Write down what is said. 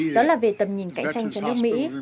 đó là về tầm nhìn cạnh tranh cho nước mỹ